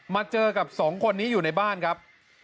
เจอกับสองคนนี้อยู่ในบ้านครับ